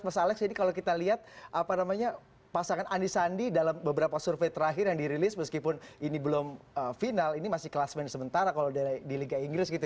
mas alex ini kalau kita lihat pasangan andi sandi dalam beberapa survei terakhir yang dirilis meskipun ini belum final ini masih kelasmen sementara kalau di liga inggris gitu ya